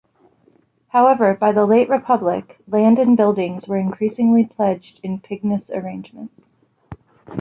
However, by the late Republic, land and buildings were increasingly pledged in pignus arrangements.